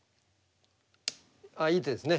ああいい手ですね。